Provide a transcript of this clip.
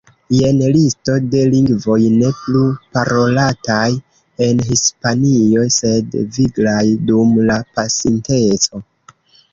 Jen listo de lingvoj ne plu parolataj en Hispanio, sed viglaj dum la pasinteco.